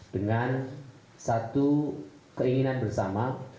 dengan satu keinginan bersama